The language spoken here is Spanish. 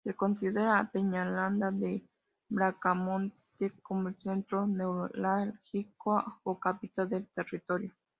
Se considera a Peñaranda de Bracamonte como el centro neurálgico o capital del territorio.